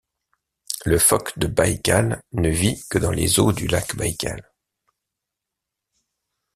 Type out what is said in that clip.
Le phoque de Baïkal ne vit que dans les eaux du lac Baïkal.